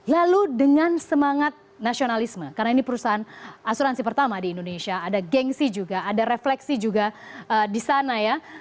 lalu dengan semangat nasionalisme karena ini perusahaan asuransi pertama di indonesia ada gengsi juga ada refleksi juga di sana ya